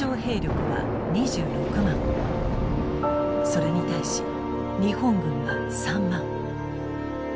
それに対し日本軍は３万。